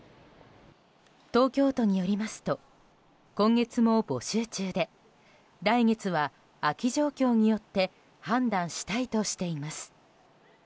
東京都によりますと今月も募集中で来月は空き状況によって判断したいとしています。